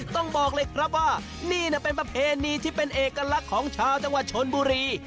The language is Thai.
ต้องบอกเลยครับว่านี่เป็นประเพณีที่เป็นเอกลักษณ์ของชาวจังหวัดชนบุรี